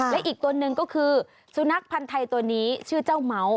และอีกตัวหนึ่งก็คือสุนัขพันธ์ไทยตัวนี้ชื่อเจ้าเม้า